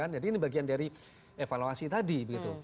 jadi ini bagian dari evaluasi tadi begitu